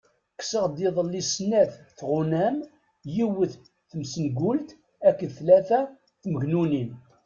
Kkseɣ-d iḍelli snat tɣunam, yiwet tmessengult akked tlala tmegnunin.